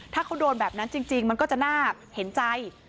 ถ้าเขาโดนแบบนั้นจริงมันก็จะน่าเห็นใจ